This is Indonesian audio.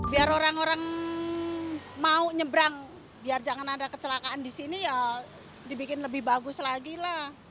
biar orang orang mau nyebrang biar jangan ada kecelakaan di sini ya dibikin lebih bagus lagi lah